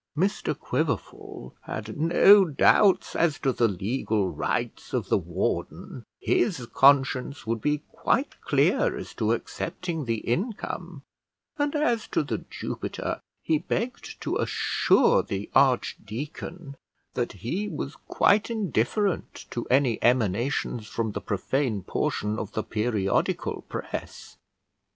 Mr Quiverful had no doubts as to the legal rights of the warden; his conscience would be quite clear as to accepting the income; and as to The Jupiter, he begged to assure the archdeacon that he was quite indifferent to any emanations from the profane portion of the periodical press.